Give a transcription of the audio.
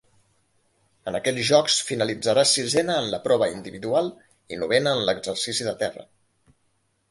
En aquests Jocs finalitzà sisena en la prova individual i novena en l'exercici de terra.